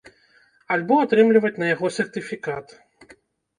Альбо атрымліваць на яго сертыфікат.